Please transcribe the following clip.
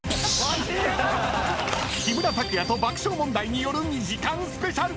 木村拓哉と爆笑問題による２時間スペシャル。